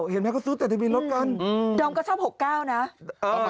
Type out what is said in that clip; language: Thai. เห็นไหมก็ซื้อแต่ทะเบียนลดกันอืม